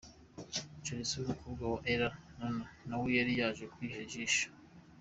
Chelsea umukobwa wa Alain Numa na we yari yaje kwihera ijisho.